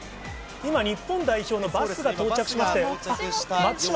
今、日本代表のバスが到着しまして。